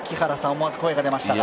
思わず声が出ましたが。